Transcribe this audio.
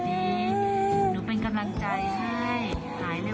หนูเป็นกำลังใจให้หายเร็ว